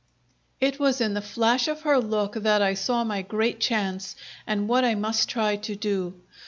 It was in the flash of her look that I saw my great chance and what I must try to do.